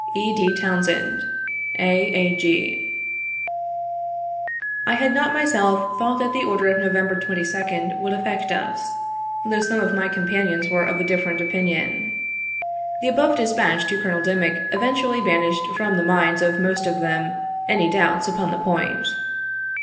"E. D. TOWNSEND. « A. A. G." I had not myself thought that the order of November 22d would affect us, though some of my companions were of a different opinion. The above dispatch to Colonel Dim ick effectually banished from the minds of most of them any doubts upon the point.